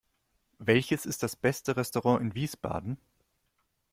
Welches ist das beste Restaurant in Wiesbaden?